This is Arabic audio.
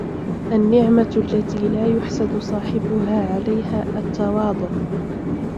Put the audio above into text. النِّعْمَةُ الَّتِي لَا يُحْسَدُ صَاحِبُهَا عَلَيْهَا التَّوَاضُعُ